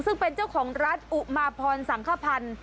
ซึ่งเป็นเจ้าของร้านอุมาพรสังขพันธ์